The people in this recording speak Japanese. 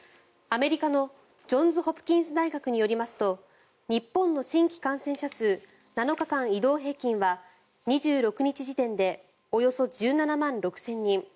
アメリカのジョンズ・ホプキンス大学によりますと日本の新規感染者数７日間移動平均は２６日時点でおよそ１７万６０００人。